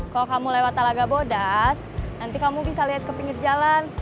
kalau kamu lewat talaga bodas nanti kamu bisa lihat ke pinggir jalan